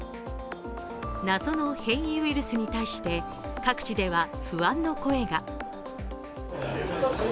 謎の変異ウイルスに対して各地では不安の声が。